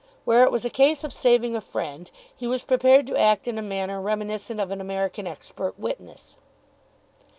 Where it was a case of saving a friend, he was prepared to act in a manner reminiscent of an American expert witness.